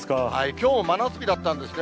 きょう、真夏日だったんですね。